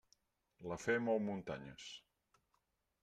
La fe mou muntanyes.